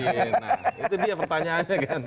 itu dia pertanyaannya kan